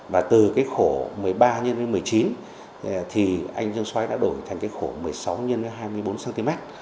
và từ khổ một mươi ba x một mươi chín thì anh dương xoái đã đổi thành khổ một mươi sáu x hai mươi bốn cm